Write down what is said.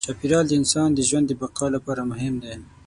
چاپېریال د انسان د ژوند د بقا لپاره مهم دی.